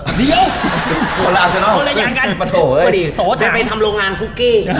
เดี๋ยวเขาละยังกันไปทำโรงงานคุกกี้